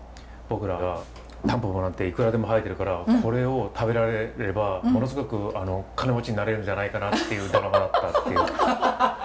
僕らが「タンポポなんていくらでも生えてるからこれを食べられればものすごく金持ちになれるんじゃないかな」っていうドラマだったっていう。